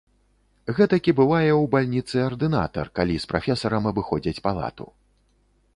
Гэтакі бывае ў бальніцы ардынатар, калі з прафесарам абыходзяць палату.